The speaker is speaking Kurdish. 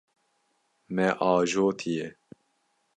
Me ajotiye.